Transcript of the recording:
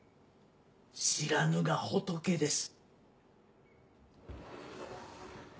知らぬが仏です。